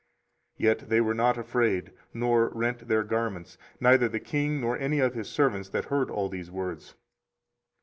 24:036:024 Yet they were not afraid, nor rent their garments, neither the king, nor any of his servants that heard all these words.